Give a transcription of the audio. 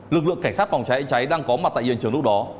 lực lượng cảnh sát phòng cháy đang có mặt tại yên trường lúc đó